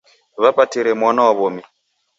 Wapatire mwana wa w'omi.